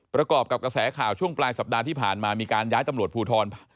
ประกอบกับกระแสข่าวช่วงปลายสัปดาห์ที่ผ่านมามีการย้ายตำรวจภูทร